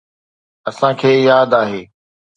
اسان کي ياد آهي.